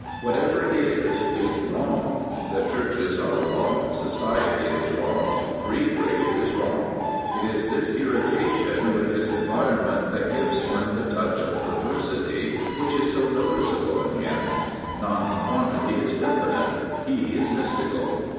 Whatever is, is wrong. The Churches are wrong, society is wrong, Free Trade is wrong. It is this irritation with his 241 Prophets, Priests, and Kings environment that gives him the touch of perversity which is so noticeable in him. Nonconformity is definite; he is mystical.